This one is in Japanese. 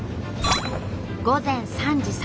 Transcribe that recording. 午前３時。